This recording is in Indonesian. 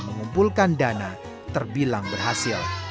mengumpulkan dana terbilang berhasil